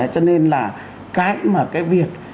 cho nên là cái mà cái việc